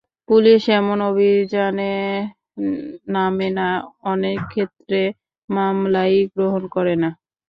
Police এমন অভিযানে নামে না, অনেক ক্ষেত্রে মামলাই গ্রহণ করে না।